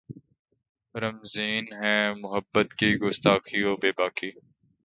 رمزیں ہیں محبت کی گستاخی و بیباکی